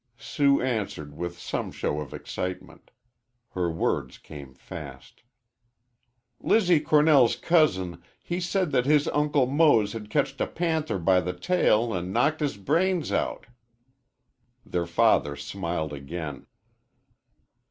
Sue answered with some show of excitement. Her words came fast. "Lizzie Cornell's cousin he said that his Uncle Mose had ketched a panther by the tail an' knocked his brains out." Their father smiled again.